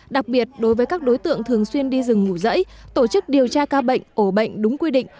đặc biệt đối với các đối tượng thường xuyên đi rừng ngủ rẫy tổ chức điều tra ca bệnh ổ bệnh đúng quy định